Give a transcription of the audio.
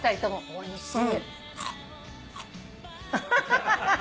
おいしい。